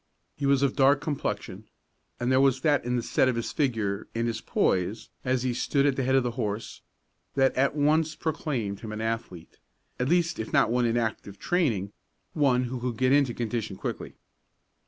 He was of dark complexion, and there was that in the set of his figure, and his poise, as he stood at the head of the horse, that at once proclaimed him an athlete, at least if not one in active training, one who could get into condition quickly.